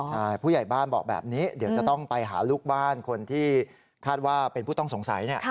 ใช่ผู้ใหญ่บ้านบอกแบบนี้เดี๋ยวจะต้องไปหาลูกบ้านคนที่คาดว่าเป็นผู้ต้องสงสัย